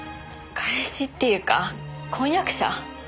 彼氏っていうか婚約者。